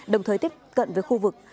đồng thời tiếp cận với khu vực